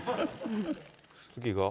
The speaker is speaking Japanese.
次が。